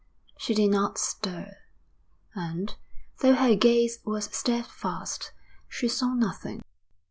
She did not stir; and, though her gaze was steadfast, she saw nothing.